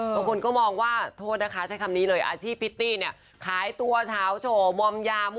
บางคนก็มองว่าโทษนะคะใช้คำนี้เลย